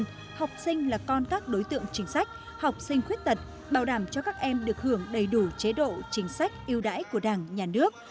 tuy nhiên học sinh là con các đối tượng chính sách học sinh khuyết tật bảo đảm cho các em được hưởng đầy đủ chế độ chính sách yêu đãi của đảng nhà nước